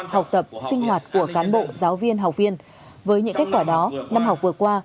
học tập sinh hoạt của cán bộ giáo viên học viên với những kết quả đó năm học vừa qua